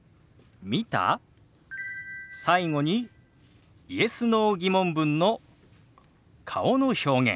最後にＹｅｓ／Ｎｏ−疑問文の顔の表現。